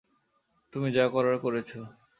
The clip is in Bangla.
তুমি যা করার করেছ।